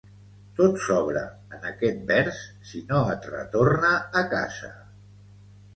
Tot sobra en aquest vers si no et retorna a casa.